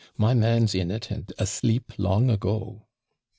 My man's in it, and asleep long ago.'